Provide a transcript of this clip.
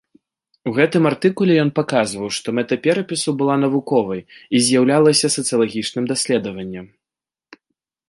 У гэтым артыкуле ён паказваў, што мэта перапісу была навуковай, і з'яўлялася сацыялагічным даследаваннем.